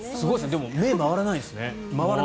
でも目は回らないんですね。